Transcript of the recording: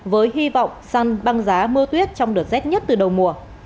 với hy vọng săn băng giá mưa tuyết trong đợt rét nhất từ đầu mùa